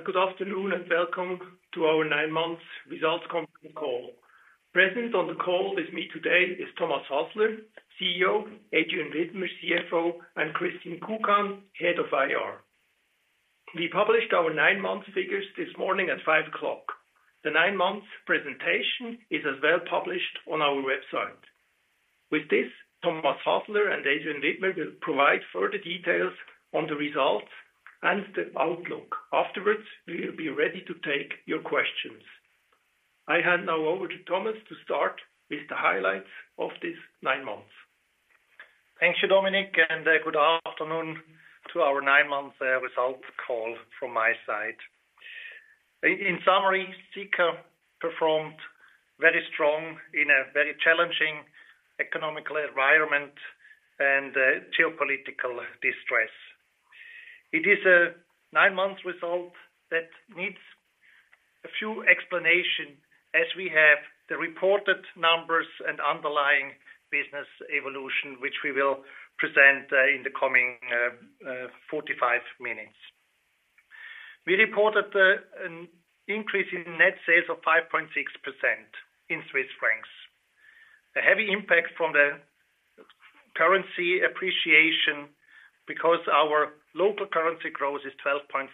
Good afternoon, and welcome to our 9-month results company call. Present on the call with me today is Thomas Hasler, CEO, Adrian Widmer, CFO, and Christine Kukan, Head of IR. We published our 9-month figures this morning at 5:00 A.M. The 9-month presentation is as well published on our website. With this, Thomas Hasler and Adrian Widmer will provide further details on the results and the outlook. Afterwards, we will be ready to take your questions. I hand now over to Thomas to start with the highlights of these 9 months. Thank you, Dominik, and good afternoon to our nine-month results call from my side. In summary, Sika performed very strong in a very challenging economical environment and geopolitical distress. It is a nine-month result that needs a few explanation as we have the reported numbers and underlying business evolution, which we will present in the coming 45 minutes. We reported an increase in net sales of 5.6% in Swiss francs, a heavy impact from the currency appreciation because our local currency growth is 12.4%.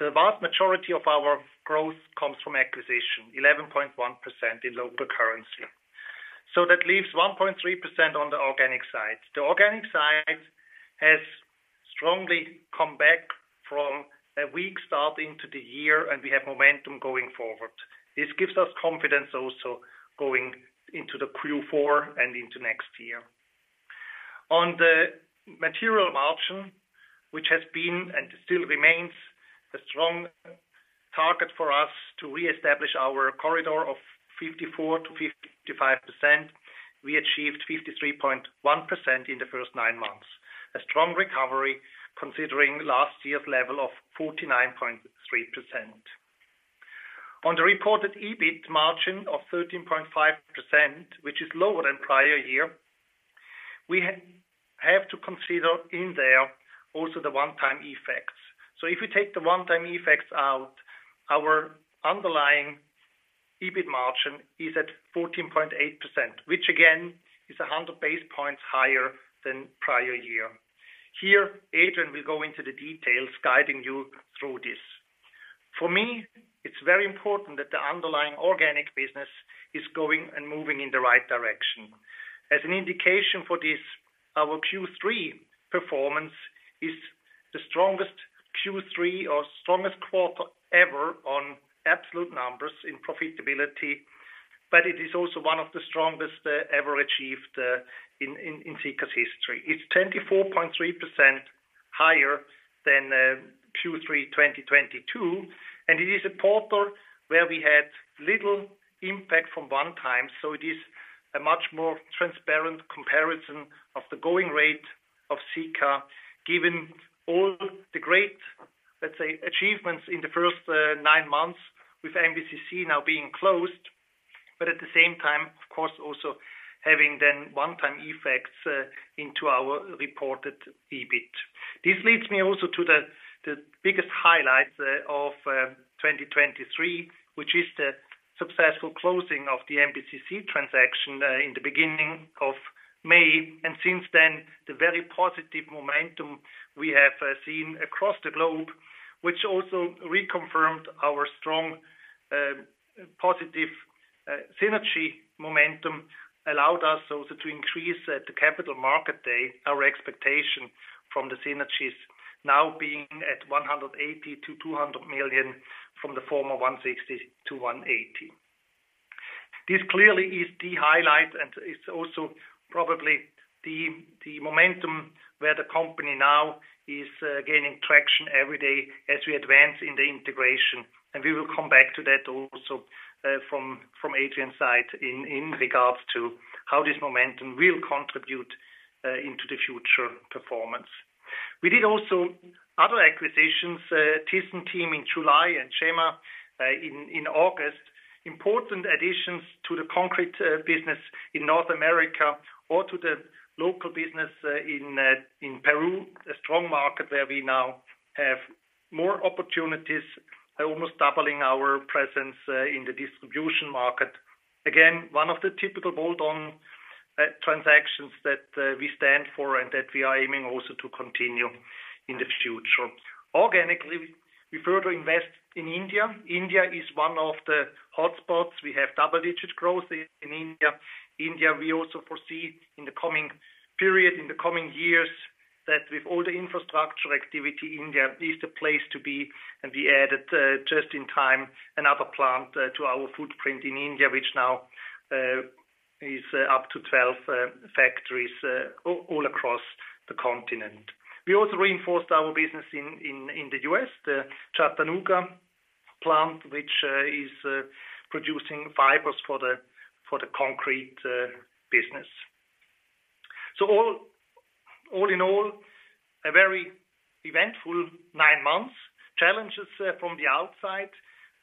The vast majority of our growth comes from acquisition, 11.1% in local currency. That leaves 1.3% on the organic side. The organic side has strongly come back from a weak start into the year, and we have momentum going forward. This gives us confidence also going into the Q4 and into next year. On the material margin, which has been and still remains a strong target for us to reestablish our corridor of 54%-55%, we achieved 53.1% in the first nine months, a strong recovery considering last year's level of 49.3%. On the reported EBIT margin of 13.5%, which is lower than prior year, we have to consider in there also the one-time effects. If we take the one-time effects out, our underlying EBIT margin is at 14.8%, which again, is 100 basis points higher than prior year. Here, Adrian will go into the details, guiding you through this. For me, it's very important that the underlying organic business is going and moving in the right direction. As an indication for this, our Q3 performance is the strongest Q3 or strongest quarter ever on absolute numbers in profitability, but it is also one of the strongest ever achieved in Sika's history. It's 24.3% higher than Q3 2022, and it is a quarter where we had little impact from one-time, so it is a much more transparent comparison of the going rate of Sika, given all the great, let's say, achievements in the first nine months with MBCC now being closed, but at the same time, of course, also having then one-time effects into our reported EBIT. We did also other acquisitions, Thiessen Team in July and Chema in August. Important additions to the concrete business in North America or to the local business in Peru, a strong market where we now have more opportunities, by almost doubling our presence in the distribution market. Again, one of the typical bolt-on transactions that we stand for and that we are aiming also to continue in the future. Organically, we further invest in India. India is one of the hotspots. We have double-digit growth in India. India, we also foresee in the coming period, in the coming years, that with all the infrastructure activity, India is the place to be, and we added just in time another plant to our footprint in India, which now is up to 12 factories all across the continent. We also reinforced our business in the U.S., the Chattanooga plant, which is producing fibers for the concrete business. All in all, a very eventful nine months. Challenges from the outside,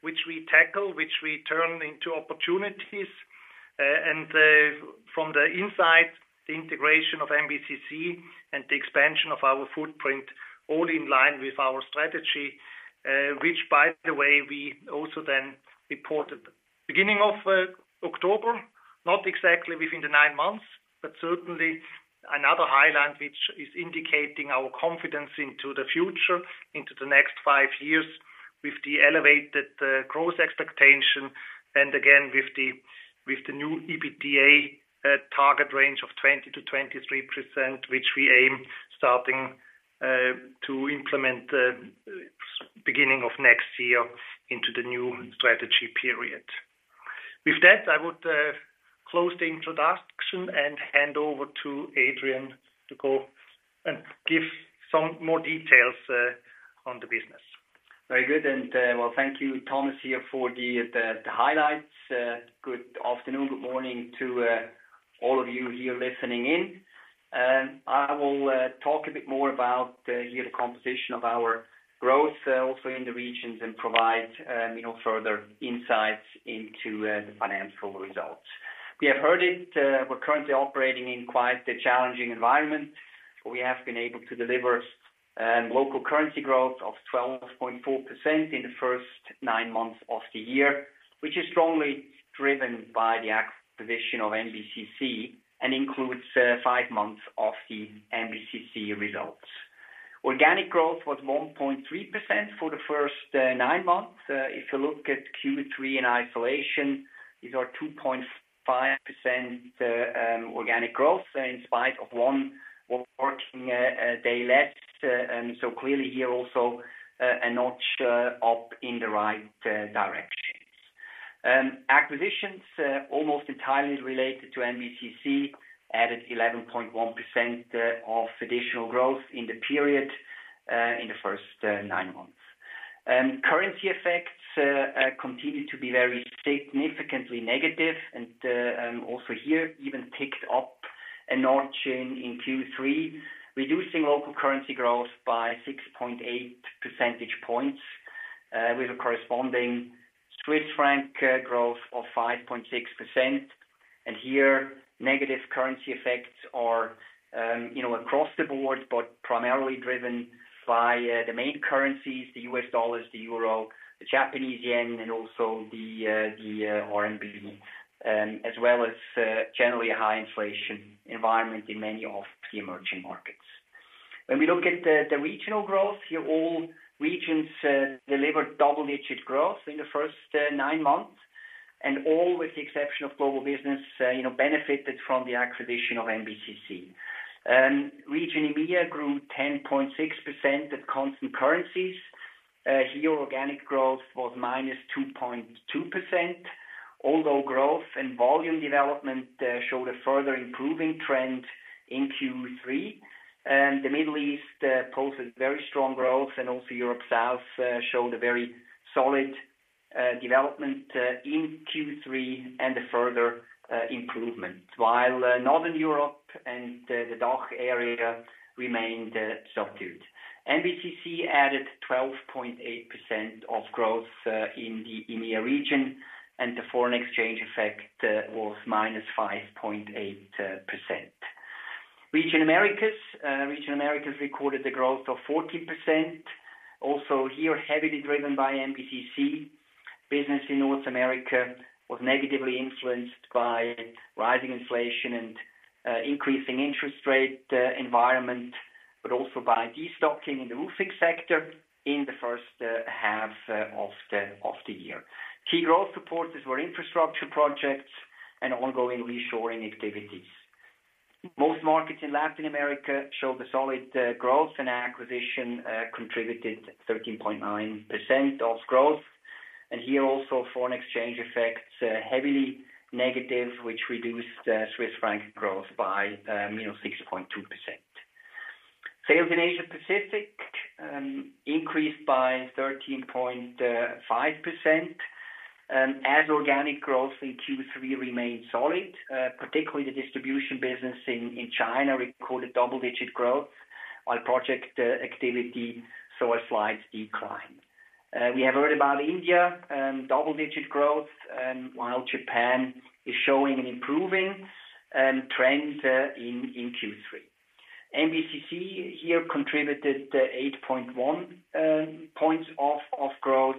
which we tackle, which we turn into opportunities. From the inside, the integration of MBCC and the expansion of our footprint, all in line with our strategy, which by the way, we also then reported beginning of October, not exactly within the nine months, but certainly another highlight, which is indicating our confidence into the future, into the next five years with the elevated growth expectation, and again, with the new EBITDA target range of 20%-23%, which we aim starting to implement beginning of next year into the new strategy period. With that, I would close the introduction and hand over to Adrian to go and give some more details on the business. Very good, and well, thank you, Thomas, here for the highlights. Good afternoon, good morning to all of you here listening in. I will talk a bit more about here, the composition of our growth also in the regions, and provide, you know, further insights into the financial results. We have heard it, we're currently operating in quite a challenging environment. We have been able to deliver local currency growth of 12.4% in the first nine months of the year, which is strongly driven by the acquisition of MBCC, and includes five months of the MBCC results. Organic growth was 1.3% for the first nine months. If you look at Q3 in isolation, these are 2.5% organic growth, in spite of one working day less. Clearly here also a notch up in the right directions. Acquisitions, almost entirely related to MBCC, added 11.1% of additional growth in the period, in the first nine months. Currency effects continue to be very significantly negative, and also here, even picked up a notch in Q3, reducing local currency growth by 6.8 percentage points, with a corresponding Swiss franc growth of 5.6%. Here, negative currency effects are, you know, across the board, but primarily driven by the main currencies, the U.S. dollars, the euro, the Japanese yen, and also the RMB, as well as generally a high inflation environment in many of the emerging markets. When we look at the regional growth, here, all regions delivered double-digit growth in the first nine months, and all, with the exception of global business, you know, benefited from the acquisition of MBCC. Region EMEA grew 10.6% at constant currencies. Here, organic growth was -2.2%, although growth and volume development showed a further improving trend in Q3, and the Middle East posted very strong growth, and also Europe South showed a very solid development in Q3 and a further improvement, while Northern Europe and the DACH area remained subdued. MBCC added 12.8% of growth in the EMEA region, and the foreign exchange effect was -5.8%. Region Americas. Region Americas recorded the growth of 14%, also here, heavily driven by MBCC. Business in North America was negatively influenced by rising inflation and increasing interest rate environment, but also by destocking in the roofing sector in the first half of the year. Key growth supporters were infrastructure projects and ongoing reshoring activities. Most markets in Latin America showed a solid growth, and acquisition contributed 13.9% of growth. Here, also, foreign exchange effects heavily negative, which reduced Swiss franc growth by, you know, 6.2%. Sales in Asia Pacific increased by 13.5% as organic growth in Q3 remained solid, particularly the distribution business in China recorded double-digit growth, while project activity saw a slight decline. We have heard about India, double-digit growth, while Japan is showing an improving trend in Q3. MBCC here contributed 8.1 points of growth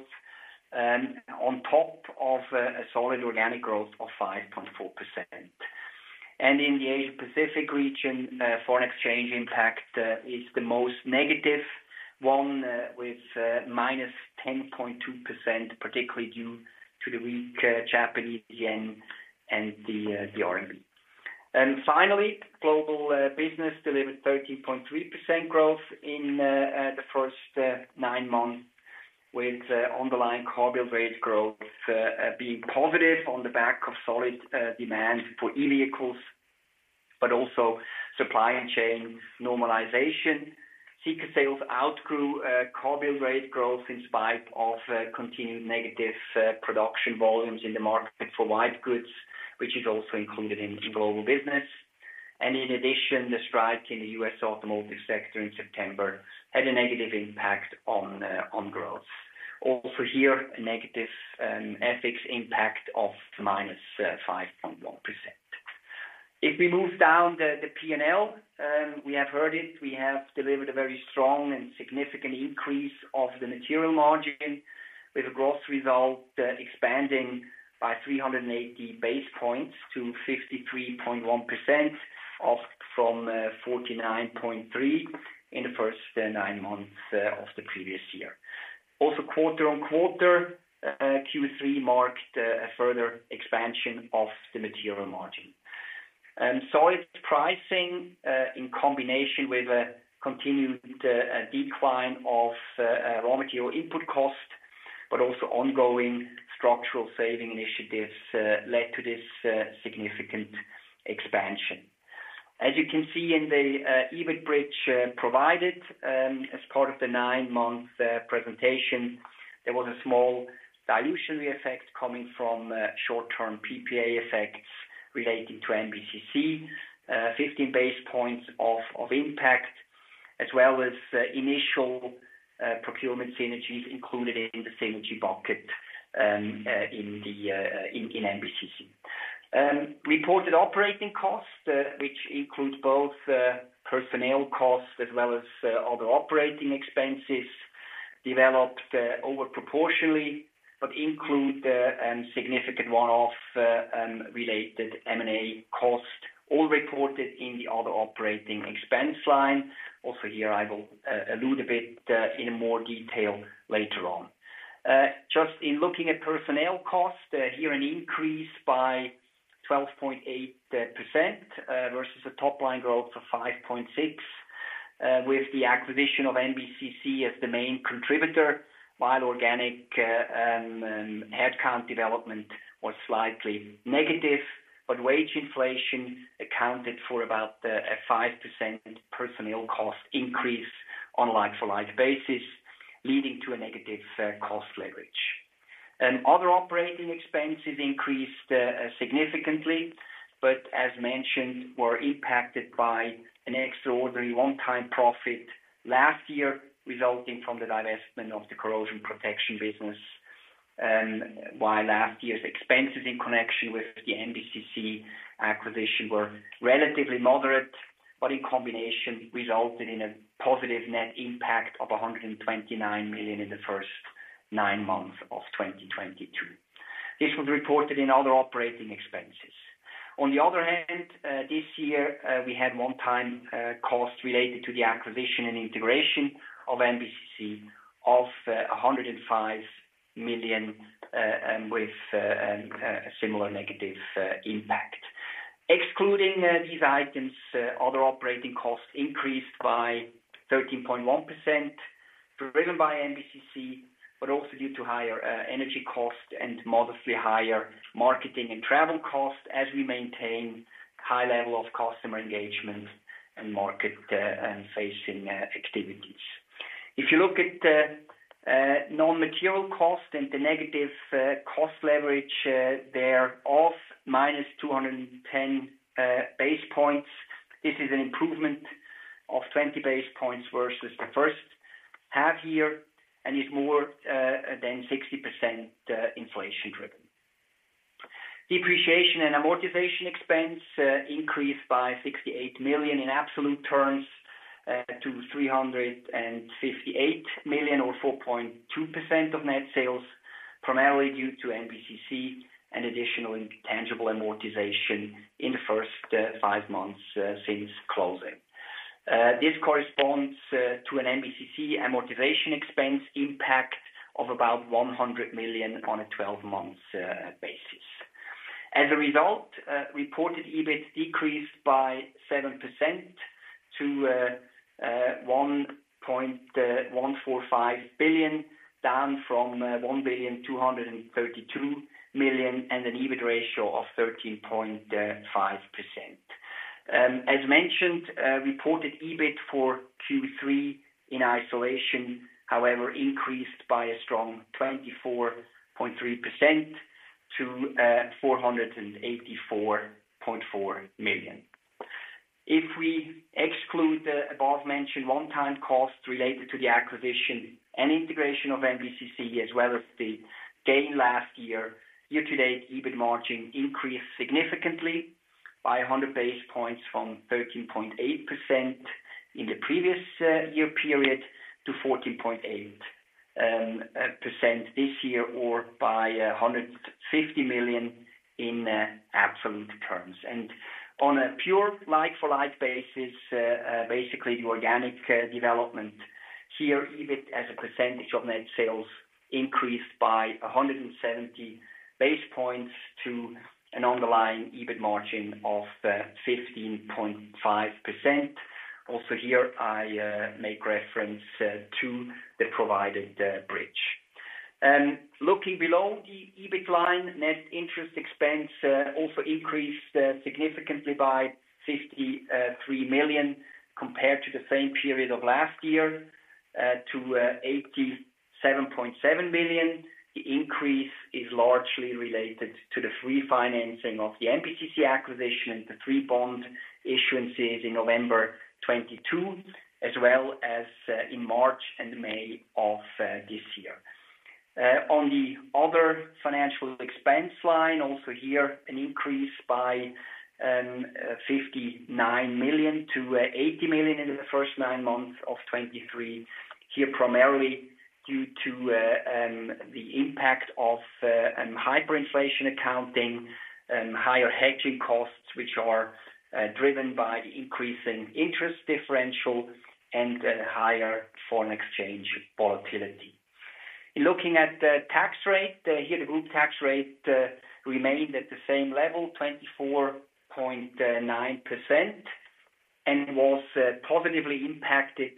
on top of a solid organic growth of 5.4%. In the Asia Pacific region, foreign exchange impact is the most negative one, with -10.2%, particularly due to the weak Japanese yen and the RMB. Finally, global business delivered 13.3% growth in the first nine months, with underlying build rate growth being positive on the back of solid demand for e-vehicles, but also supply chain normalization. Sika sales outgrew build rate growth in spite of continued negative production volumes in the market for white goods, which is also included in global business. In addition, the strike in the U.S. automotive sector in September had a negative impact on growth. Also here, a negative FX impact of -5.1%. If we move down the P.&L., we have heard it. We have delivered a very strong and significant increase of the material margin, with a gross result expanding by 380 basis points to 53.1%, up from 49.3 in the first nine months of the previous year. Also, quarter-on-quarter, Q3 marked a further expansion of the material margin. Solid pricing in combination with a continued decline of raw material input cost, but also ongoing structural saving initiatives led to this significant expansion. As you can see in the EBIT bridge provided as part of the nine-month presentation, there was a small dilution effect coming from short-term PPA effects relating to MBCC, 15 basis points of impact, as well as initial procurement synergies included in the synergy bucket in MBCC. Reported operating costs, which includes both personnel costs as well as other operating expenses, developed over-proportionally, but include significant one-off related M&A costs, all reported in the other operating expense line. Also here, I will allude a bit in more detail later on. Just in looking at personnel costs, here an increase by 12.8% versus a top-line growth of 5.6 with the acquisition of MBCC as the main contributor, while organic headcount development was slightly negative, but wage inflation accounted for about a 5% personnel cost increase on a like-for-like basis, leading to a negative cost leverage. Other operating expenses increased significantly, but as mentioned, were impacted by an extraordinary one-time profit last year, resulting from the divestment of the corrosion protection business. While last year's expenses in connection with the MBCC acquisition were relatively moderate, but in combination, resulted in a positive net impact of 129 million in the first nine months of 2022. This was reported in other operating expenses. On the other hand, this year, we had one-time costs related to the acquisition and integration of MBCC of 105 million with a similar negative impact. Excluding these items, other operating costs increased by 13.1%, driven by MBCC, but also due to higher energy costs and modestly higher marketing and travel costs as we maintain high level of customer engagement and market-facing activities. If you look at the non-material cost and the negative cost leverage there of -210 basis points, this is an improvement of 20 basis points versus the first half year and is more than 60% inflation-driven. Depreciation and amortization expense increased by 68 million in absolute terms to 358 million, or 4.2% of net sales, primarily due to MBCC and additional intangible amortization in the first five months since closing. This corresponds to an MBCC amortization expense impact of about 100 million on a 12-month basis. As a result, reported EBIT decreased by 7% to 1.145 billion, down from 1,232 million, and an EBIT ratio of 13.5%. As mentioned, reported EBIT for Q3 in isolation, however, increased by a strong 24.3% to 484.4 million. If we exclude the above-mentioned one-time costs related to the acquisition and integration of MBCC, as well as the gain last year, year-to-date EBIT margin increased significantly by 100 basis points from 13.8% in the previous year period to 14.8% this year, or by 150 million in absolute terms. On a pure like-for-like basis, basically the organic development here, EBIT, as a percentage of net sales, increased by 170 basis points to an underlying EBIT margin of 15.5%. Also here, I make reference to the provided bridge. Looking below the EBIT line, net interest expense also increased significantly by 53 million compared to the same period of last year. To 87.7 billion. The increase is largely related to the refinancing of the MBCC acquisition and the three bond issuances in November 2022, as well as in March and May of this year. On the other financial expense line, also here, an increase by 59 million to 80 million in the first nine months of 2023. Here, primarily due to the impact of hyperinflation accounting, higher hedging costs, which are driven by the increasing interest differential and higher foreign exchange volatility. In looking at the tax rate, here, the group tax rate remained at the same level, 24.9%, and was positively impacted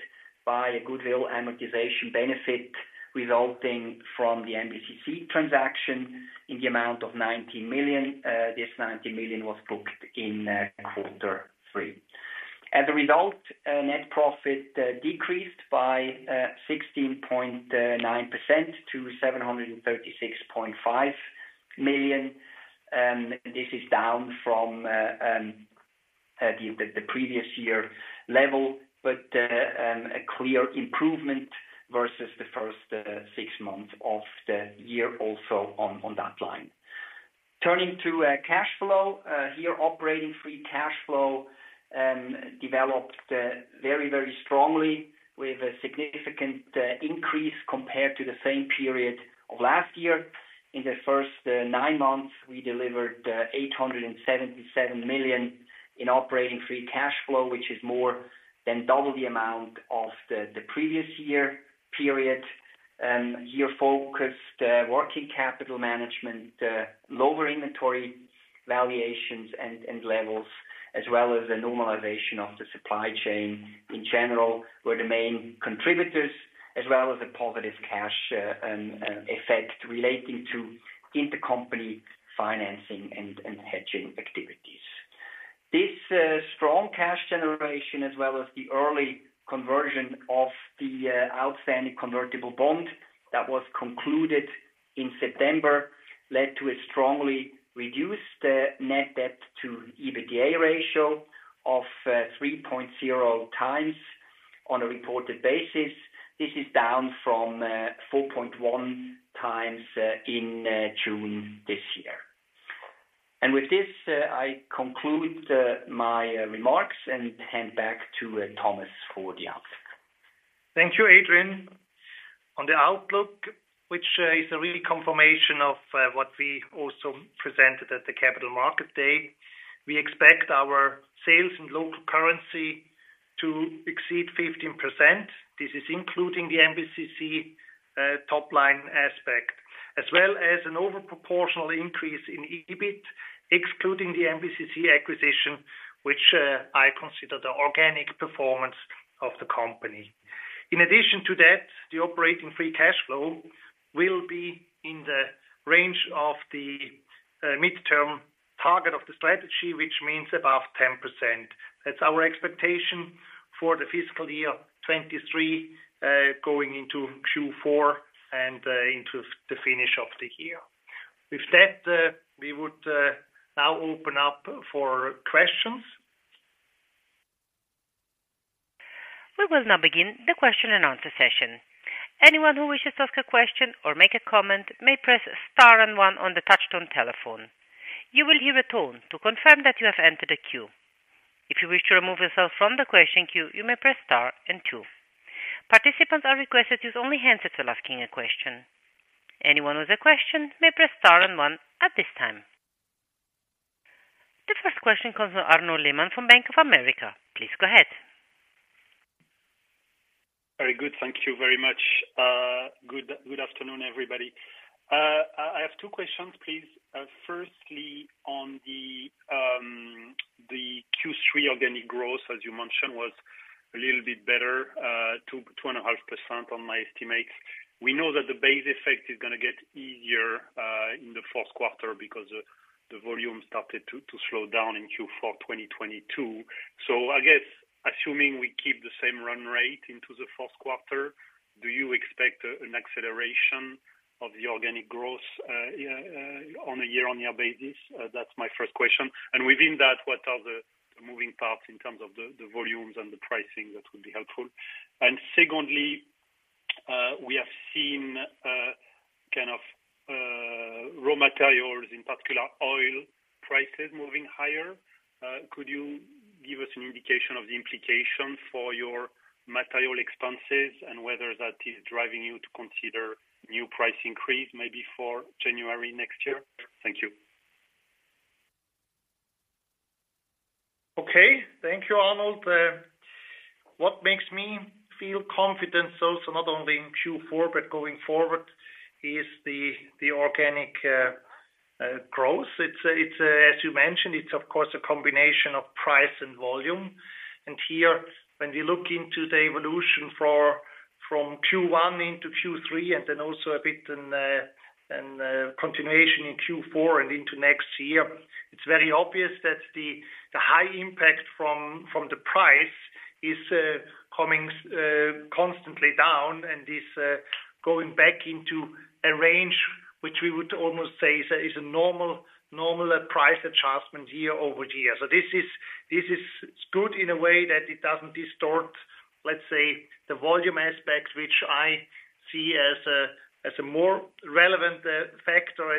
by a goodwill amortization benefit, resulting from the MBCC transaction in the amount of 19 million. This 19 million was booked in quarter three. As a result, net profit decreased by 16.9% to 736.5 million. This is down from the previous year level, but a clear improvement versus the first six months of the year, also on that line. Turning to cash flow, here, operating free cash flow developed very, very strongly with a significant increase compared to the same period of last year. In the first nine months, we delivered 877 million in operating free cash flow, which is more than double the amount of the previous year period. Here, focused working capital management, lower inventory valuations and levels, as well as the normalization of the supply chain in general, were the main contributors, as well as a positive cash effect relating to intercompany financing and hedging activities. This strong cash generation, as well as the early conversion of the outstanding convertible bond that was concluded in September, led to a strongly reduced net debt to EBITDA ratio of 3.0x on a reported basis. This is down from 4.1x in June this year. With this, I conclude my remarks and hand back to Thomas for the outlook. Thank you, Adrian. On the outlook, which is a really confirmation of what we also presented at the Capital Market Day, we expect our sales and local currency to exceed 15%. This is including the MBCC top-line aspect, as well as an over-proportional increase in EBIT, excluding the MBCC acquisition, which I consider the organic performance of the company. In addition to that, the operating free cash flow will be in the range of the midterm target of the strategy, which means above 10%. That's our expectation for the fiscal year 2023, going into Q4 and into the finish of the year. With that, we would now open up for questions. We will now begin the question and answer session. Anyone who wishes to ask a question or make a comment may press star and one on the touch-tone telephone. You will hear a tone to confirm that you have entered a queue. If you wish to remove yourself from the question queue, you may press star and two. Participants are requested to use only hands if they're asking a question. Anyone with a question may press star and one at this time. The first question comes from Arnaud Lehmann from Bank of America. Please go ahead. Very good. Thank you very much. Good afternoon, everybody. I have two questions, please. Firstly, on the Q3 organic growth, as you mentioned, was a little bit better, 2.5% on my estimates. We know that the base effect is gonna get easier in the fourth quarter because the volume started to slow down in Q4 2022. I guess, assuming we keep the same run rate into the fourth quarter, do you expect an acceleration of the organic growth on a year-on-year basis? That's my first question. Within that, what are the moving parts in terms of the volumes and the pricing? That would be helpful. Secondly, we have seen kind of raw materials, in particular, oil prices moving higher. Could you give us an indication of the implication for your material expenses and whether that is driving you to consider new price increase, maybe for January next year? Thank you. Okay. Thank you, Arnold. What makes me feel confident, also not only in Q4 but going forward, is the organic growth. As you mentioned, it's, of course, a combination of price and volume. Here, when we look into the evolution from Q1 into Q3 and then also a bit in continuation in Q4 and into next year, it's very obvious that the high impact from the price is coming constantly down and is going back into a range which we would almost say is a normal price adjustment year-over-year. This is good in a way that it doesn't distort, let's say, the volume aspects, which I see as a more relevant factor.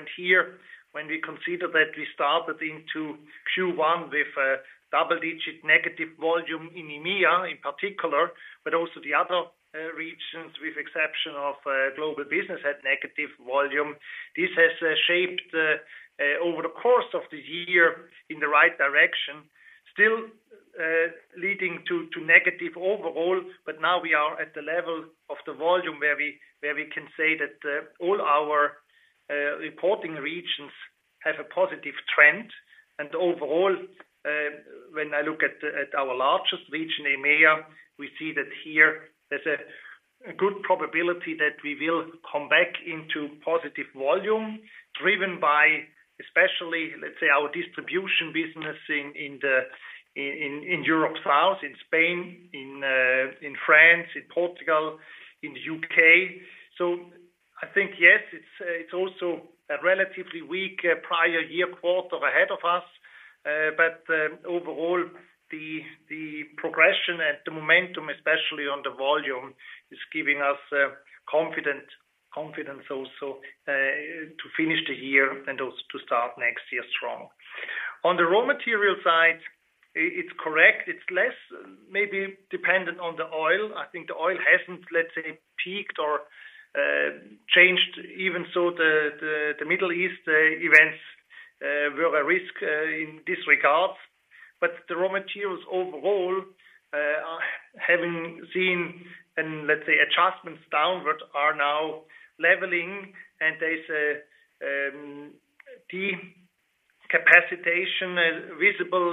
When we consider that we started into Q1 with a double-digit negative volume in EMEA, in particular, but also the other regions, with exception of Global Business had negative volume. This has shaped over the course of the year in the right direction, still leading to negative overall, but now we are at the level of the volume where we can say that all our reporting regions have a positive trend. Overall, when I look at our largest region, EMEA, we see that here there's a good probability that we will come back into positive volume, driven by especially, let's say, our distribution business in Europe South, in Spain, in France, in Portugal, in the U.K. I think, yes, it's also a relatively weak prior year quarter ahead of us. Overall, the progression and the momentum, especially on the volume, is giving us confidence also to finish the year and also to start next year strong. On the raw material side, it's correct, it's less maybe dependent on the oil. I think the oil hasn't, let's say, peaked or changed, even so the Middle East events were a risk in this regard. The raw materials overall are having seen and let's say, adjustments downward are now leveling, and there's a decapacitation visible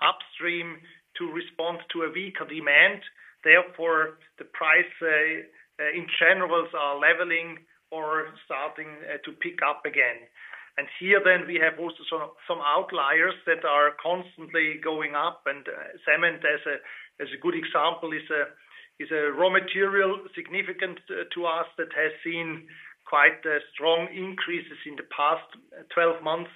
upstream to respond to a weaker demand. Therefore, the price in general are leveling or starting to pick up again. Here then we have also some outliers that are constantly going up, and cement as a good example is a raw material significant to us that has seen quite strong increases in the past 12 months,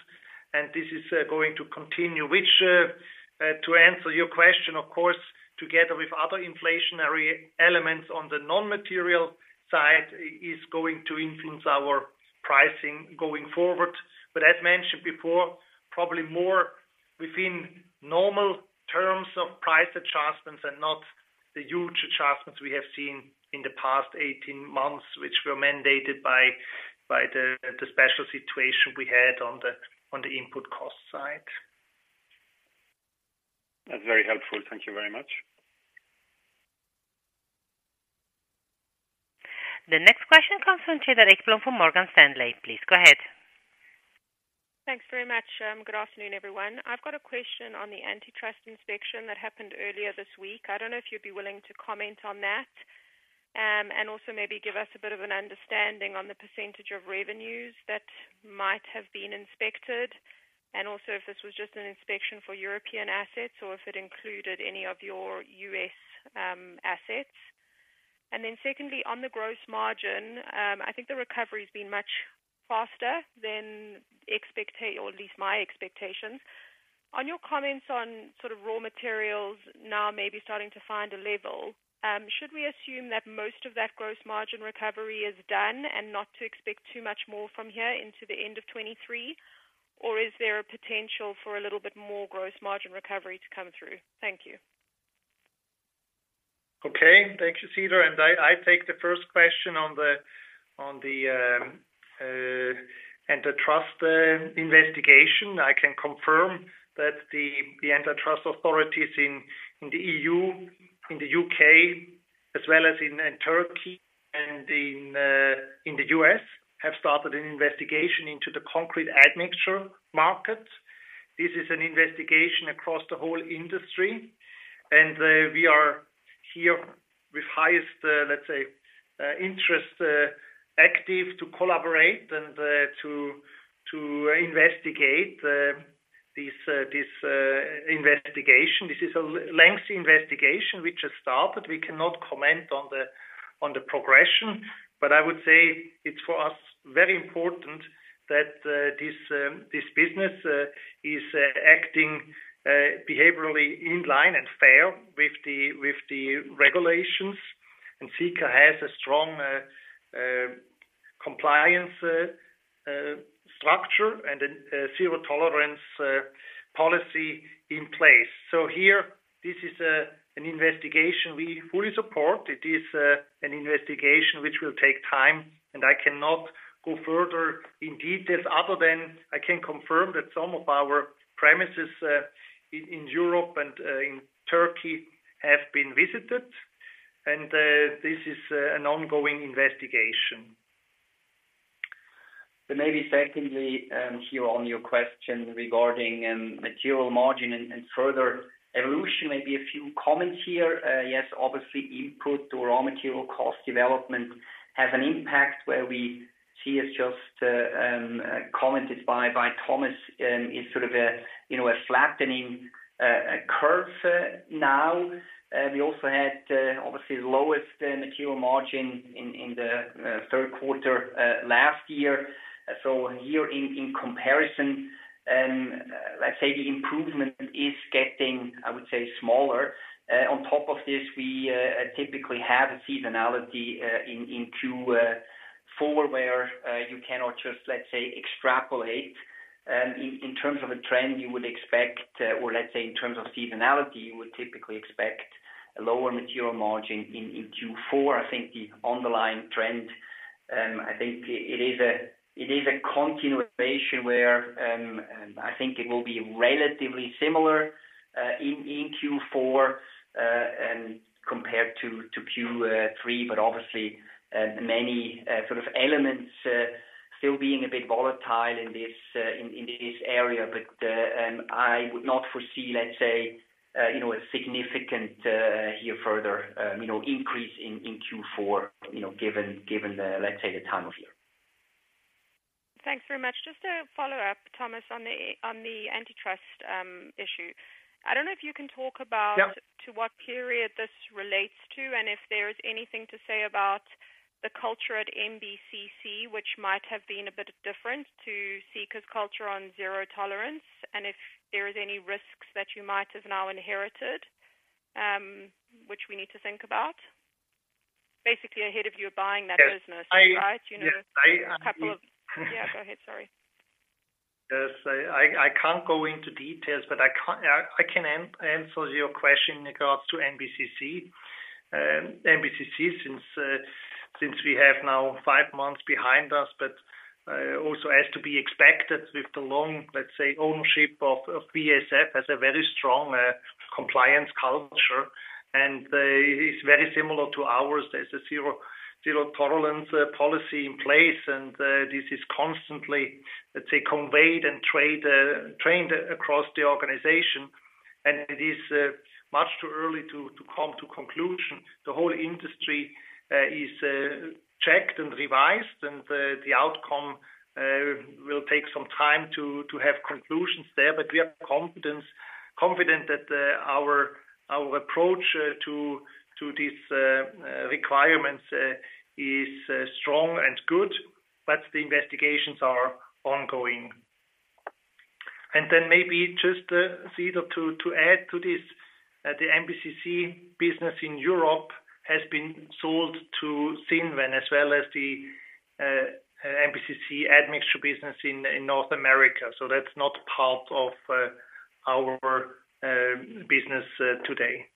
and this is going to continue. Which, to answer your question, of course, together with other inflationary elements on the non-material side, is going to influence our pricing going forward. As mentioned before, probably more within normal terms of price adjustments and not the huge adjustments we have seen in the past 18 months, which were mandated by the special situation we had on the input cost side. That's very helpful. Thank you very much. The next question comes from Cedar Ekblom from Morgan Stanley. Please go ahead. Thanks very much. Good afternoon, everyone. I've got a question on the antitrust inspection that happened earlier this week. I don't know if you'd be willing to comment on that and also maybe give us a bit of an understanding on the % of revenues that might have been inspected, and also if this was just an inspection for European assets or if it included any of your U.S. assets. Secondly, on the gross margin, I think the recovery has been much faster than or at least my expectations. On your comments on sort of raw materials now maybe starting to find a level, should we assume that most of that gross margin recovery is done and not to expect too much more from here into the end of 2023? Is there a potential for a little bit more gross margin recovery to come through? Thank you. Okay. Thank you, Cedar. I take the first question on the antitrust investigation. I can confirm that the antitrust authorities in the E.U., in the U.K., as well as in Turkey and in the U.S., have started an investigation into the concrete admixture market. This is an investigation across the whole industry, and we are here with highest, let's say, interest, active to collaborate and to investigate this investigation. This is a lengthy investigation which has started. We cannot comment on the progression, but I would say it's for us, very important that this business is acting behaviorally in line and fair with the regulations. Sika has a strong compliance structure and a zero-tolerance policy in place. Here, this is an investigation we fully support. It is an investigation which will take time, and I cannot go further in details, other than I can confirm that some of our premises in Europe and in Turkey have been visited, and this is an ongoing investigation. I think the underlying trend, I think it is a continuation where I think it will be relatively similar in Q4 and compared to Q3, but obviously many sort of elements still being a bit volatile in this area. I would not foresee, let's say, you know, a significant here further, you know, increase in Q4, you know, given the, let's say, the time of year. Thanks very much. Just a follow-up, Thomas, on the antitrust issue. I don't know if you can talk about. Yeah. To what period this relates to, and if there is anything to say about the culture at MBCC, which might have been a bit different to Sika's culture on zero tolerance, and if there is any risks that you might have now inherited, which we need to think about? Basically, ahead of you buying that business, right? Yes. I- You know. Yeah, go ahead. Sorry. There's a zero tolerance policy in place, and this is constantly, let's say, conveyed and trained across the organization, and it i Maybe just, Cedar, to add to this, the MBCC business in Europe has been sold to Cinven as well as the MBCC admixture business in North America. That's not part of our business today.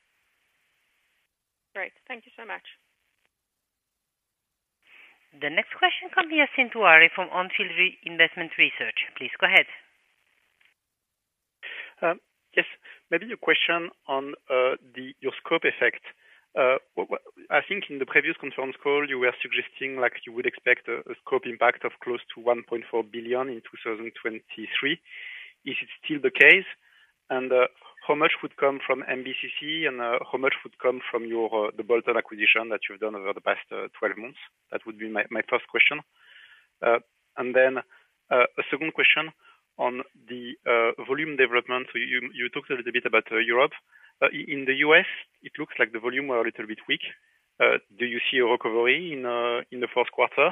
Great. Thank you so much. The next question comes from Yassine Touahri from On Field Investment Research. Please go ahead. Yes, maybe a question on your scope effect. I think in the previous conference call, you were suggesting, like, you would expect a scope impact of close to 1.4 billion in 2023. Is it still the case? How much would come from MBCC, and how much would come from the bolt-on acquisition that you've done over the past 12 months? That would be my first question. Then a second question on the volume development. You talked a little bit about Europe. In the U.S., it looks like the volume were a little bit weak. Do you see a recovery in the fourth quarter?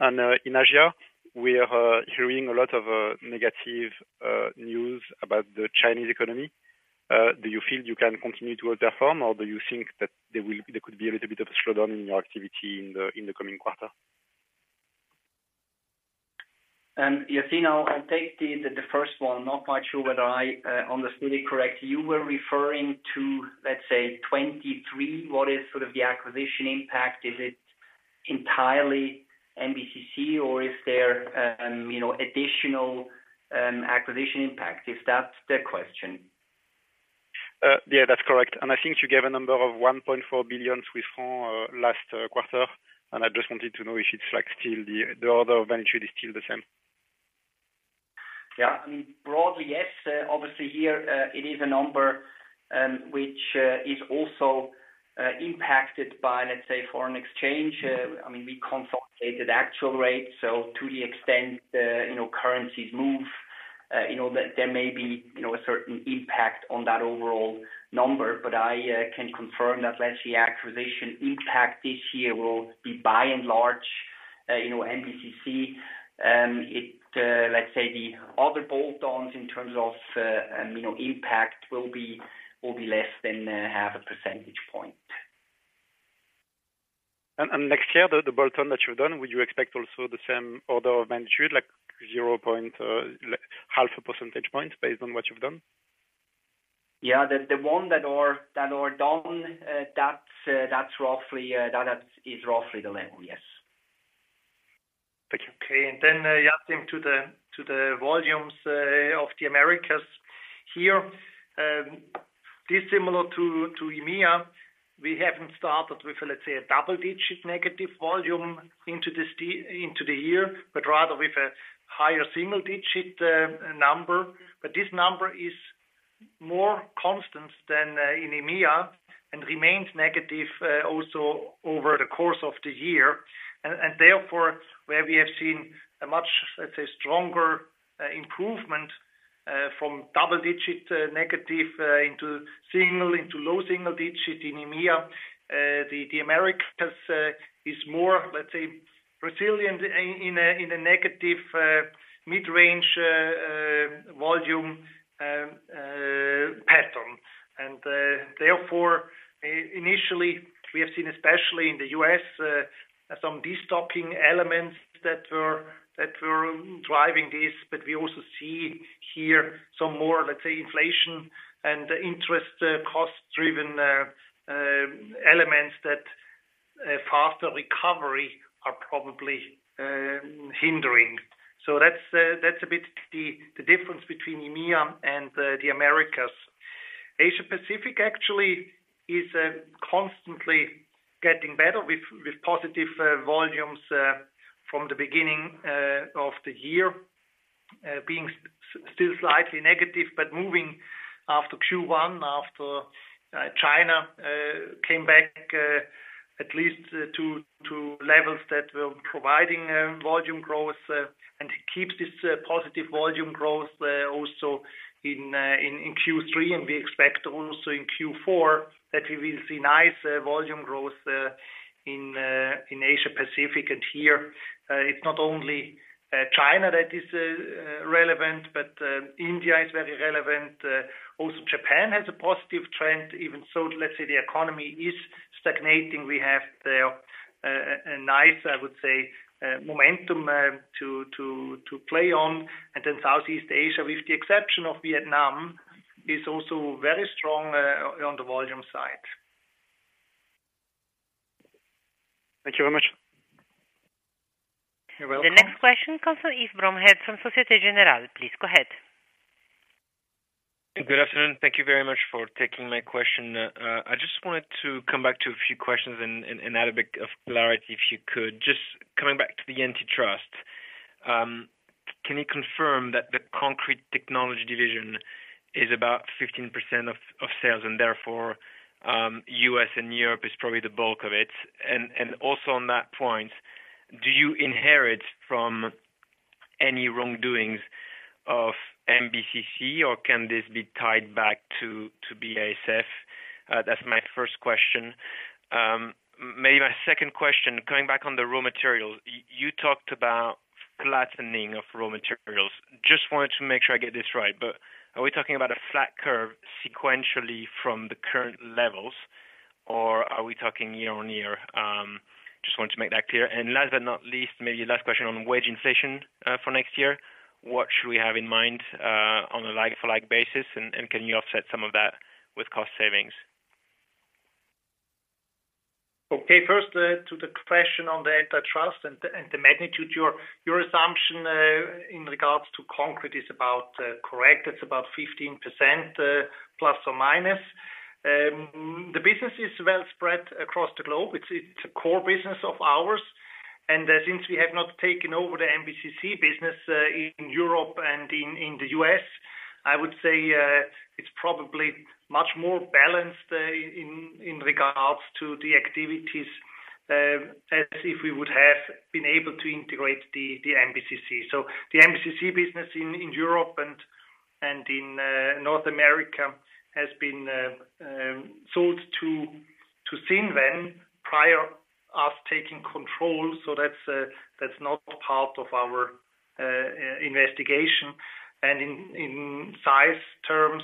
In Asia, we are hearing a lot of negative news about the Chinese economy. Do you feel you can continue to outperform, or do you think that there will, there could be a little bit of a slowdown in your activity in the coming quarter? Yassine, I'll take the first one. I'm not quite sure whether I understood it correct. You were referring to, let's say, 2023. What is sort of the acquisition impact? Is it entirely MBCC or is there, you know, additional acquisition impact? Is that the question? Yeah, that's correct. I think you gave a number of 1.4 billion Swiss francs last quarter, and I just wanted to know if it's like still the order of magnitude is still the same. Yeah. I mean, broadly, yes. Obviously here, it is a number which is also impacted by, let's say, foreign exchange. I mean, we consolidated actual rates, so to the extent, you know, currencies move, you know, there may be, you know, a certain impact on that overall number. I can confirm that, let's say, acquisition impact this year will be by and large, you know, MBCC. Let's say the other bolt-ons in terms of, you know, impact will be less than 0.5 percentage point. Next year, the bolt-on that you've done, would you expect also the same order of magnitude, like 0.5 percentage point, based on what you've done? Yeah, the one that are done, that is roughly the level, yes. Thank you. Okay. Yassine, to the volumes of the Americas here, dissimilar to EMEA, we haven't started with, let's say, a double-digit negative volume into the year, but rather with a higher single-digit number. This number is More constants than in EMEA and remains negative also over the course of the year. Therefore, where we have seen a much, let's say, stronger improvement from double-digit negative into single, into low single-digit in EMEA, the Americas is more, let's say, resilient in a negative mid-range volume pattern. Therefore, initially, we have seen, especially in the U.S., some destocking elements that were driving this, but we also see here some more, let's say, inflation and interest cost-driven elements that faster recovery are probably hindering. That's a bit the difference between EMEA and the Americas. Asia Pacific actually is constantly getting better with positive volumes from the beginning of the year, being still slightly negative, but moving after Q1, after China came back, at least to levels that were providing volume growth, and keeps this positive volume growth also in Q3, and we expect also in Q4, that we will see nice volume growth in Asia Pacific. Here, it's not only China that is relevant, but India is very relevant. Also, Japan has a positive trend, even so, let's say the economy is stagnating. We have a nice, I would say, momentum to play on. Southeast Asia, with the exception of Vietnam, is also very strong on the volume side. Thank you very much. You're welcome. The next question comes from Yves Bromehead from Société Générale. Please, go ahead. Good afternoon. Thank you very much for taking my question. I just wanted to come back to a few questions and add a bit of clarity if you could. Just coming back to the antitrust, can you confirm that the concrete technology division is about 15% of sales, and therefore, U.S. and Europe is probably the bulk of it? Also on that point, do you inherit from any wrongdoings of MBCC, or can this be tied back to BASF? That's my first question. Maybe my second question, coming back on the raw materials, you talked about flattening of raw materials. Just wanted to make sure I get this right, but are we talking about a flat curve sequentially from the current levels, or are we talking year-on-year? Just wanted to make that clear. Last but not least, maybe last question on wage inflation for next year, what should we have in mind on a like-for-like basis, and can you offset some of that with cost savings? Okay, first, to the question on the antitrust and the magnitude, your assumption in regards to concrete is about correct. It's about 15% ±. The business is well spread across the globe. It's a core business of ours, and since we have not taken over the MBCC business in Europe and in the U.S., I would say it's probably much more balanced in regards to the activities as if we would have been able to integrate the MBCC. The MBCC business in Europe and in North America has been sold to Cinven prior us taking control. That's not part of our investigation. In size terms,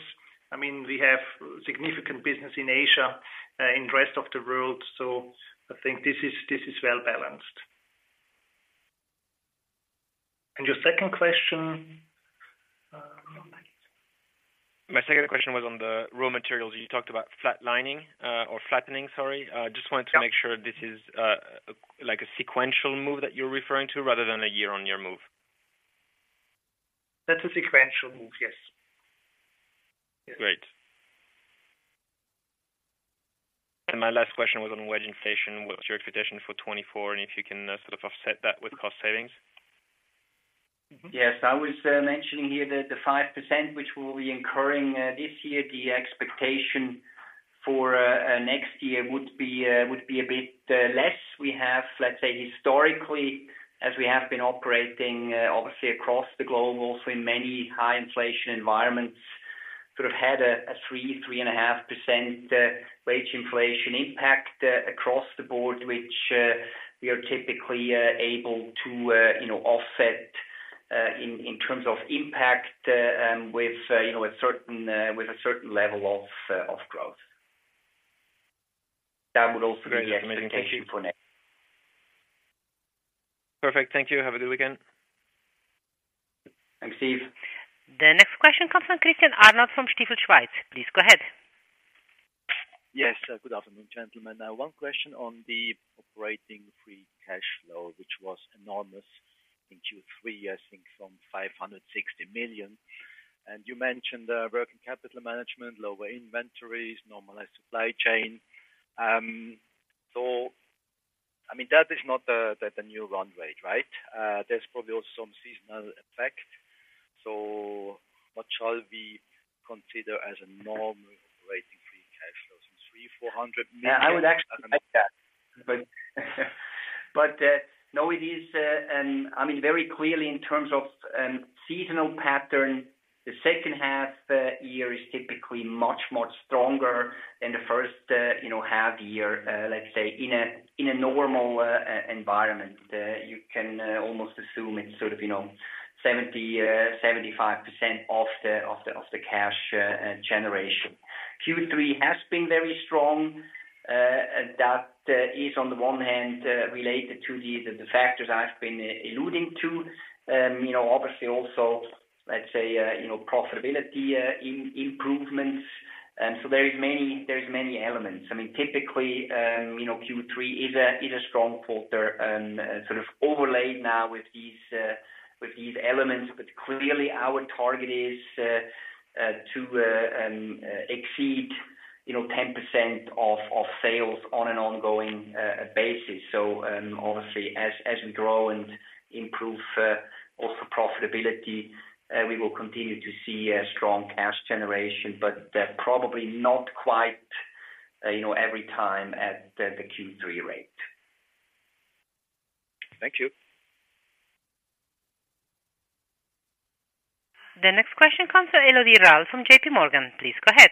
I mean, we have significant business in Asia, in the rest of the world. I think this is well balanced. Your second question. My second question was on the raw materials. You talked about flatlining or flattening, sorry. Just wanted to- Yeah. Make sure this is like a sequential move that you're referring to, rather than a year-on-year move. That's a sequential move, yes. Great. My last question was on wage inflation. What's your expectation for 2024, and if you can sort of offset that with cost savings? Yes. I was mentioning here that the 5%, which we'll be incurring this year, the expectation for next year would be a bit less. We have, let's say, historically, as we have been operating obviously across the globe, also in many high inflation environments, sort of had a 3%-3.5% wage inflation impact across the board, which we are typically able to, you know, offset in terms of impact with, you know, a certain level of growth. That would also be the expectation for next. Perfect. Thank you. Have a good weekend. Thanks, Steve. The next question comes from Christian Arnold from Stifel Schweiz. Please go ahead. Yes, good afternoon, gentlemen. One question on the operating free cash flow, which was enormous in Q3, I think from 560 million. You mentioned working capital management, lower inventories, normalized supply chain. I mean, that is not the new run rate, right? There's probably also some seasonal effect. What shall we consider as a normal rating for free cash flow? Some 300 million-400 million? Yeah, I would actually expect that. No, it is, I mean, very clearly in terms of seasonal pattern, the second half year is typically much, much stronger than the first, you know, half year. Let's say in a normal environment, you can almost assume it's sort of, you know, 70%-75% of the cash generation. Q3 has been very strong. That is on the one hand related to the factors I've been alluding to. You know, obviously, also, let's say, you know, profitability improvements. There is many elements. I mean, typically, you know, Q3 is a strong quarter, sort of overlaid now with these elements, but clearly our target is to exceed, you know, 10% of sales on an ongoing basis. Obviously, as we grow and improve also profitability, we will continue to see a strong cash generation, but probably not quite, you know, every time at the Q3 rate. Thank you. The next question comes from Elodie Rall from JP Morgan. Please go ahead.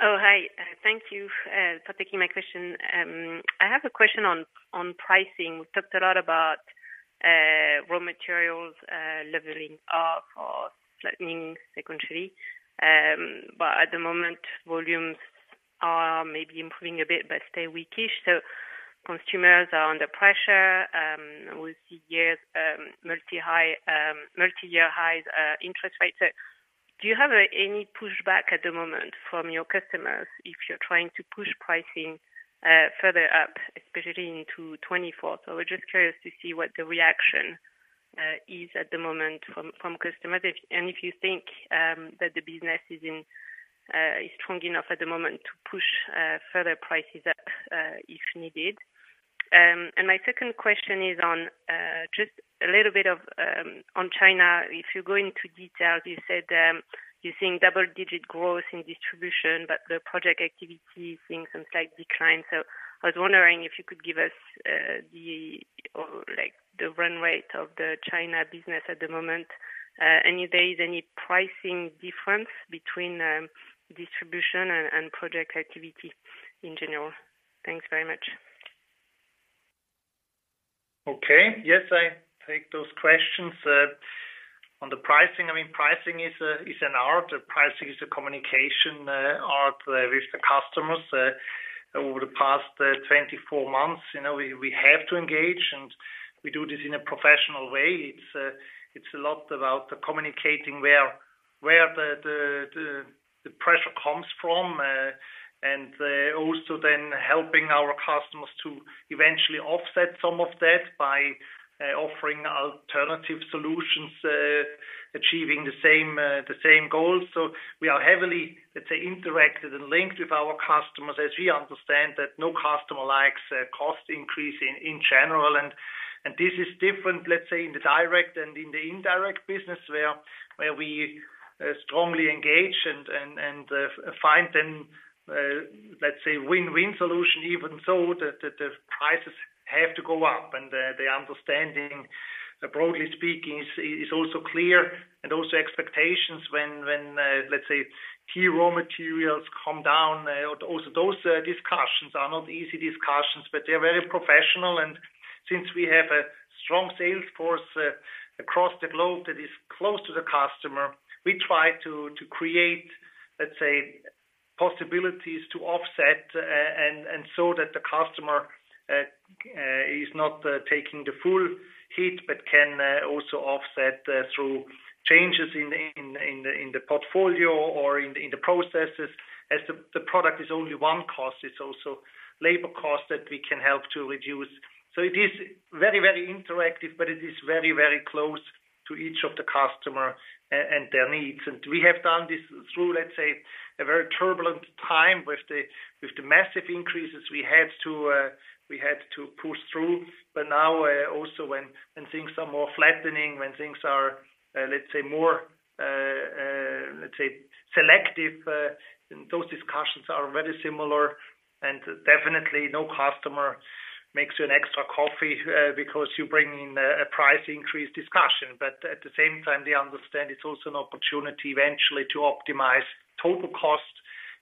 Oh, hi. Thank you for taking my question. I have a question on pricing. We've talked a lot about raw materials leveling off or flattening, secondly. At the moment, volumes are maybe improving a bit, but stay weakish, so consumers are under pressure. We see multi-year highs interest rates. Do you have any pushback at the moment from your customers if you're trying to push pricing further up, especially into 2024? We're just curious to see what the reaction is at the moment from customers. If you think that the business is strong enough at the moment to push further prices up if needed. My second question is on just a little bit of on China. If you go into detail, you said you're seeing double-digit growth in distribution, but the project activity, seeing some slight decline. I was wondering if you could give us the, or like the run rate of the China business at the moment. If there is any pricing difference between distribution and project activity in general? Thanks very much. Okay. Yes, I take those questions. On the pricing, I mean, pricing is an art. Pricing is a communication art with the customers. Over the past 24 months, you know, we have to engage, and we do this in a professional way. It's a lot about communicating where the pressure comes from and also then helping our customers to eventually offset some of that by offering alternative solutions, achieving the same goals. So we are heavily, let's say, interacted and linked with our customers as we understand that no customer likes a cost increase in general. This is different, let's say, in the direct and in the indirect business where we strongly engage and find then, let's say, win-win solution, even so the prices have to go up. The understanding, broadly speaking, is also clear and also expectations when, let's say, key raw materials come down. Also those discussions are not easy discussions, but they're very professional. Since we have a strong sales force across the globe that is close to the customer, we try to create, let's say, possibilities to offset and so that the customer is not taking the full hit, but can also offset through changes in the portfolio or in the processes. As the product is only one cost, it's also labor cost that we can help to reduce. It is very, very interactive, but it is very, very close to each of the customer and their needs. We have done this through, let's say, a very turbulent time with the massive increases we had to push through. Now, also, when things are more flattening, when things are, let's say more, let's say, selective, then those discussions are very similar, and definitely, no customer makes you an extra coffee because you bring in a price increase discussion. At the same time, they understand it's also an opportunity eventually to optimize total cost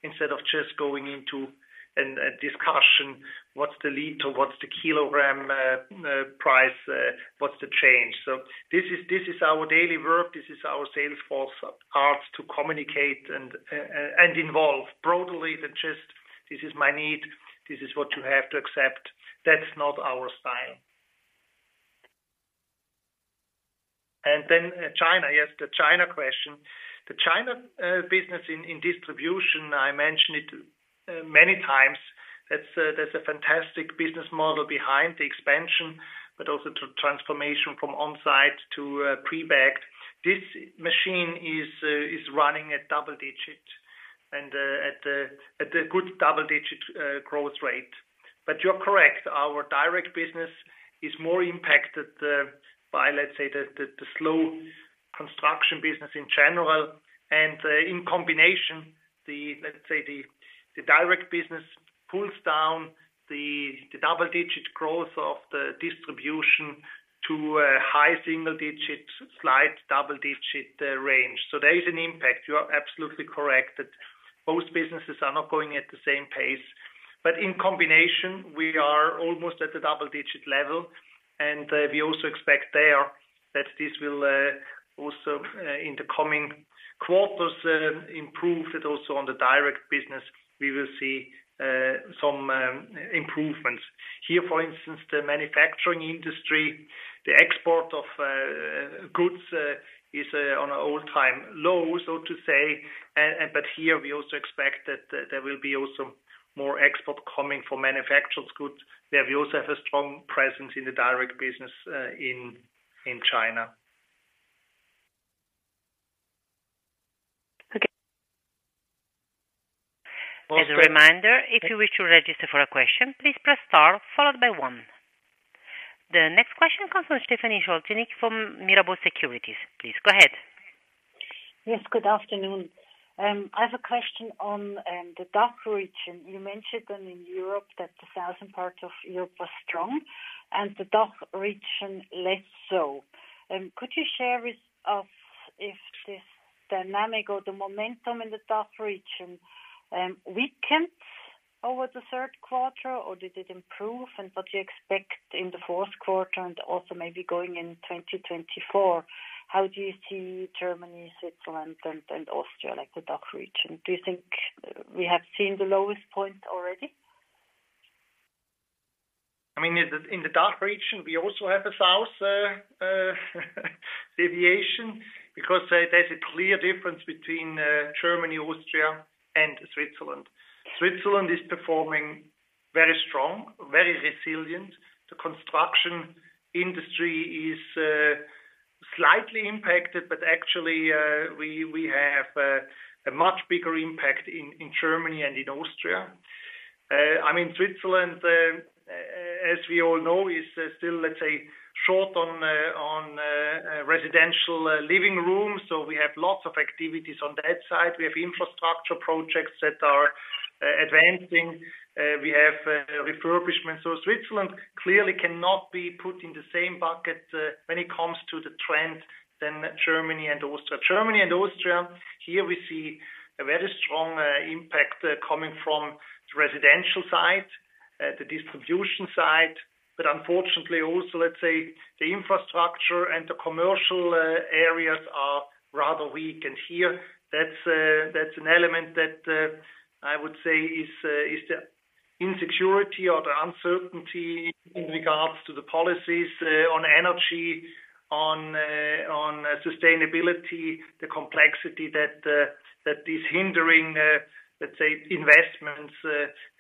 instead of just going into a discussion, what's the liter? What's the kilogram price? What's the change? stutter "this is"). * "and, uh, a-and involve" -> "and involve" (Removed "uh" and stutter "a-and"). * "And then, uh, China." -> "China." (Removed "And then" as a starter conjunction and "uh"). * "The China, uh, business in, in distribution" -> "The China business in distribution" (Removed "uh" and stutter "in"). * "I mentioned it, uh, many times." -> "I mentioned it many times." (Removed "uh"). * "That's a, that's a fantastic" -> "That's a fantastic" (Removed stutter "that's a"). * "to, uh, pre-packed" -> "to pre-packed" (Removed "uh"). * "This machine is, uh, is running" -> "This machine is running" (Removed "uh" and stutter "is"). * "and, uh, at a, at There is an impact. You are absolutely correct that both businesses are not going at the same pace, but in combination, we are almost at the double-digit level, and we also expect there that this will also in the coming quarters improve it also on the direct business. We will see some improvements. Here, for instance, the manufacturing industry, the export of goods is on an all-time low, so to say. But here we also expect that there will be also more export coming for manufactured goods. We have also have a strong presence in the direct business in China. Okay. As a reminder, if you wish to register for a question, please press star followed by one. The next question comes from Stefanie Scholtysik Yes, good afternoon. I have a question on the DACH region. You mentioned in Europe that the southern part of Europe was strong and the DACH region less so. Could you share with us if this dynamic or the momentum in the DACH region weakened over the third quarter, or did it improve? What do you expect in the fourth quarter and also maybe going in 2024? How do you see Germany, Switzerland, and Austria, like the DACH region? Do you think we have seen the lowest point already? I mean, in the DACH region, we also have a south deviation because there's a clear difference between Germany, Austria, and Switzerland. Switzerland is performing very strong, very resilient. The construction industry is slightly impacted, but actually, we have a much bigger impact in Germany and in Austria. I mean, Switzerland, as we all know, is still, let's say, short on residential living rooms, so we have lots of activities on that side. We have infrastructure projects that are advancing. We have refurbishment. Switzerland clearly cannot be put in the same bucket when it comes to the trend than Germany and Austria. Germany and Austria, here we see a very strong impact coming from the residential side, the distribution side, but unfortunately, also, let's say, the infrastructure and the commercial areas are rather weak. Here, that's an element that I would say is the insecurity or the uncertainty in regards to the policies on energy, on sustainability, the complexity that is hindering, let's say, investments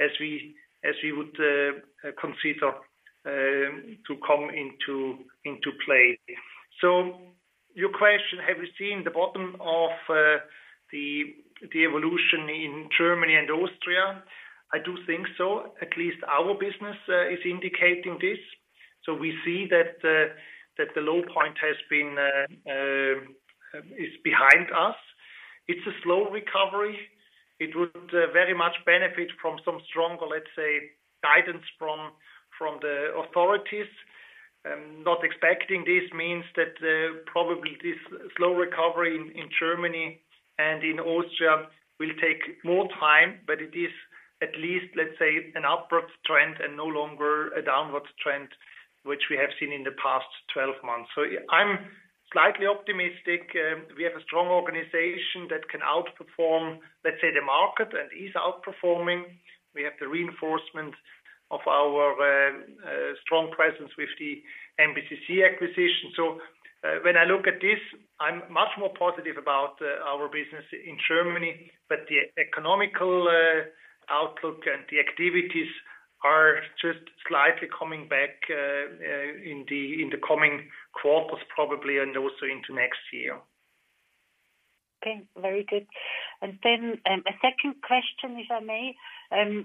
as we would consider to come into play. Your question, have you seen the bottom of the evolution in Germany and Austria? I do think so. At least our business is indicating this. We see that the low point is behind us. It's a slow recovery. It would very much benefit from some stronger, let's say, guidance from the authorities. Not expecting this means that probably this slow recovery in Germany and in Austria will take more time, but it is at least, let's say, an upward trend and no longer a downward trend, which we have seen in the past 12 months. I'm slightly optimistic. We have a strong organization that can outperform, let's say, the market, and is outperforming. We have the reinforcement of our strong presence with the MBCC acquisition. When I look at this, I'm much more positive about our business in Germany, but the economical outlook and the activities are just slightly coming back in the coming quarters, probably, and also into next year. Okay, very good. A second question, if I may,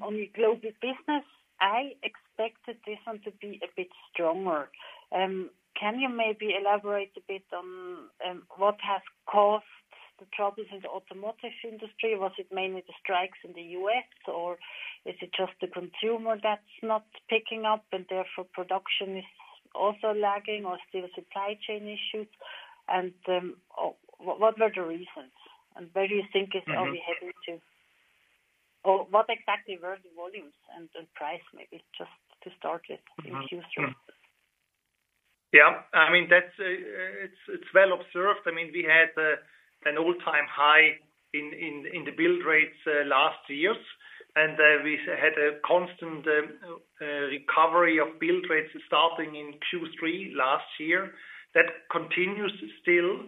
on the Global Business. I expected this one to be a bit stronger. Can you maybe elaborate a bit on what has caused the troubles in the automotive industry? Was it mainly the strikes in the U.S., or is it just the consumer that's not picking up, and therefore production is also lagging or still supply chain issues? What were the reasons, and where do you think it's already heading to? What exactly were the volumes and the price, maybe just to start with in Q3? Yeah. I mean, that's, it's well observed. I mean, we had an all-time high in the build rates last years, and we had a constant recovery of build rates starting in Q3 last year. That continues still.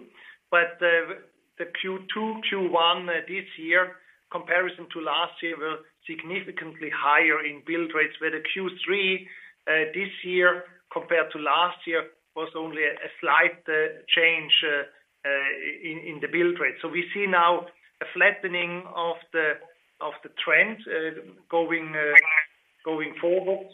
The Q2, Q1 this year, comparison to last year, were significantly higher in build rates, where the Q3 this year, compared to last year, was only a slight change in the build rate. We see now a flattening of the trend going forward.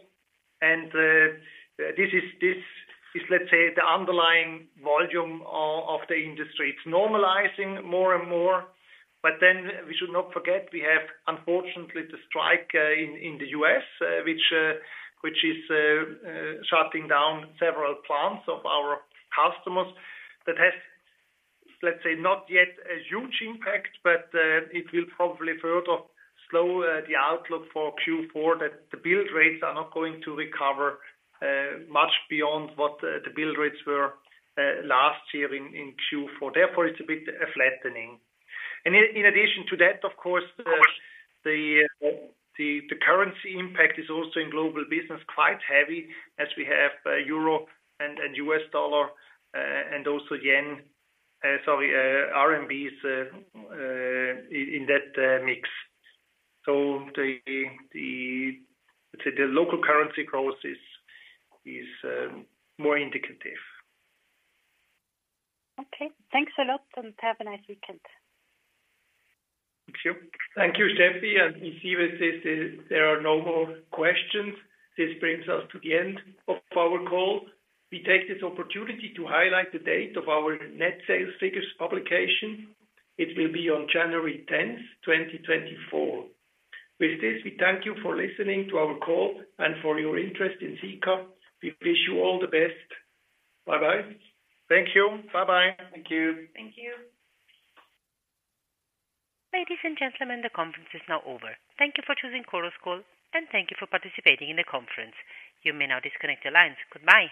This is, let's say, the underlying volume of the industry. It's normalizing more and more, but then we should not forget, we have, unfortunately, the strike in the U.S. which is shutting down several plants of our customers. That has, let's say, not yet a huge impact, but it will probably further slow the outlook for Q4, that the build rates are not going to recover much beyond what the build rates were last year in Q4. Therefore, it's a bit flattening. In addition to that, of course, the currency impact is also in global business, quite heavy, as we have euro and U.S. dollar and also yen, sorry, RMB is in that mix. The, let's say, the local currency growth is more indicative. Okay, thanks a lot, and have a nice weekend. Thank you. Thank you, Steffie, and we see that there are no more questions. This brings us to the end of our call. We take this opportunity to highlight the date of our net sales figures publication. It will be on January 10th, 2024. With this, we thank you for listening to our call and for your interest in Sika. We wish you all the best. Bye-bye. Thank you. Bye-bye. Thank you. Thank you. Ladies and gentlemen, the conference is now over. Thank you for choosing Chorus Call and thank you for participating in the conference. You may now disconnect your lines. Goodbye.